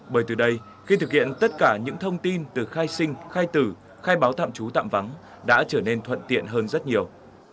bởi từ đây khi thực hiện tất cả những thông tin từ khai sinh khai tử khai báo tạm trú tạm vắng đã trở nên thuận tiện hơn rất nhiều